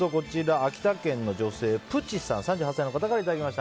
秋田県の女性、３８歳の方からいただきました。